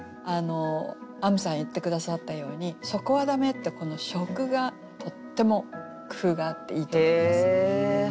あむさん言って下さったように「そこはだめ」ってこの初句がとっても工夫があっていいと思います。